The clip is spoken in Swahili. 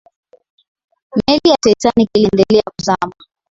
meli ya titanic iliendelea kuzama